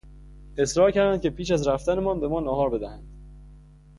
اصرار کردند که پیش از رفتنمان به ما ناهار بدهند.